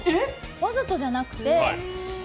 わざとじゃなくて。